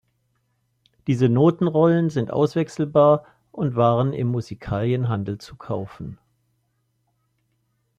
Diese Notenrollen sind auswechselbar und waren im Musikalienhandel zu kaufen.